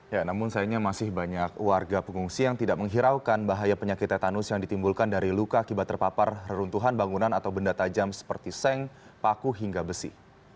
ya namun sayangnya masih banyak warga pengungsi yang tidak menghiraukan bahaya penyakit tetanus yang ditimbulkan dari luka akibat terpapar reruntuhan bangunan atau benda tajam seperti seng paku hingga besi